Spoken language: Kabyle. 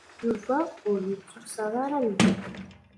Yuba ur yettuksaḍ ara medden.